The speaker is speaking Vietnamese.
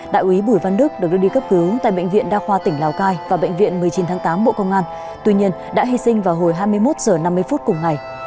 đại úy bùi văn đức được đưa đi cấp cứu tại bệnh viện đa khoa tỉnh lào cai và bệnh viện một mươi chín tháng tám bộ công an tuy nhiên đã hy sinh vào hồi hai mươi một h năm mươi phút cùng ngày